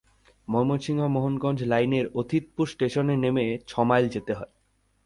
ময়মনসিংহ-মোহনগঞ্জ লাইনের অতিথপুর ষ্টেশনে নেমে ছমাইল যেতে হয়।